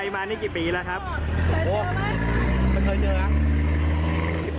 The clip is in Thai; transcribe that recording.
ไม่เคยเจอครับ